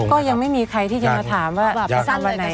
ก็ยังไม่มีใครที่จะมาถามว่าไปสั้นแบบไหน